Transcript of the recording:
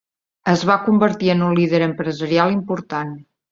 Es va convertir en un líder empresarial important.